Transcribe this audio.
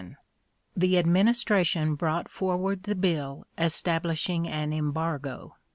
The administration brought forward the bill establishing an embargo.